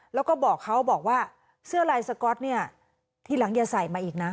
แล้วก็บอกเขาบอกว่าเสื้อลายสก๊อตเนี่ยทีหลังอย่าใส่มาอีกนะ